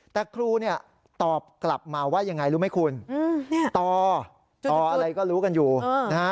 แต่ครูเนี่ยตอบกลับมาว่ายังไงรู้ไหมคุณต่ออะไรก็รู้กันอยู่นะฮะ